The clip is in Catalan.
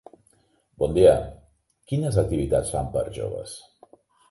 Bon dia, quines activitats fan per joves?